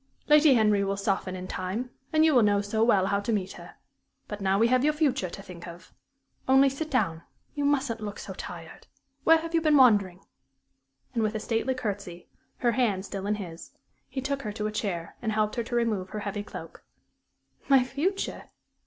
Lady Henry will soften in time, and you will know so well how to meet her. But now we have your future to think of. Only sit down. You mustn't look so tired. Where have you been wandering?" And with a stately courtesy, her hand still in his, he took her to a chair and helped her to remove her heavy cloak. "My future!"